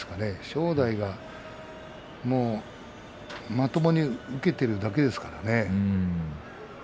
正代はまともに受けているだけですからね。